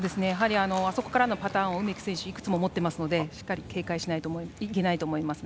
あそこからのパターンを梅木選手はいくつも持っていますので警戒しないといけないと思います。